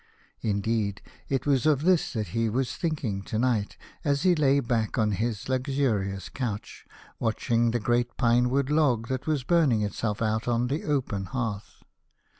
Indeed, it was of this that he was thinking to night, as he lay back on his luxu rious couch, watching the great pinewood log that was burning itself out on the open hearth.